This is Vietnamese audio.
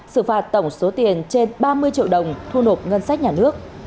xử phạt tổng số tiền trên ba mươi triệu đồng thu nộp ngân sách nhà nước